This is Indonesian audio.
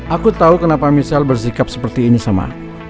aku tahu kenapa michelle bersikap seperti ini sama